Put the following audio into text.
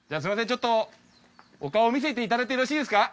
ちょっとお顔を見せていただいてよろしいですか？